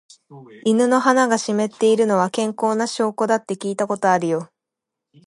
犬の鼻が湿っているのは、健康な証拠だって聞いたことあるよ。